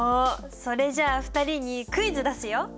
それじゃあ２人にクイズ出すよ！